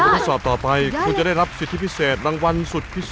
ข้อสอบต่อไปคุณจะได้รับสิทธิพิเศษรางวัลสุดพิเศษ